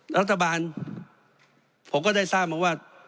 รัฐบาลผมก็ได้ทราบมาว่า